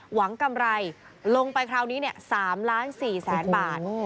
หวังกำไรลงไปคราวนี้๓๔๐๐๐๐๐บาท